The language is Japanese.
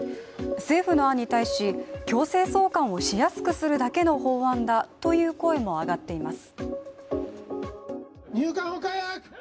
政府の案に対し、強制送還をしやすくするだけの法案だという声も上がっています。